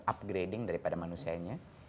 upgrading daripada manusianya